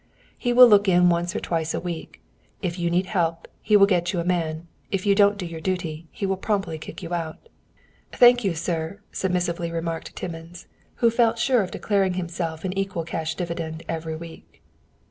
He will look in once or twice a week. If you need help, he will get you a man. If you don't do your duty, he will promptly kick you out." "Thank you, sir," submissively remarked Timmins, who felt sure of declaring himself an equal cash dividend every week.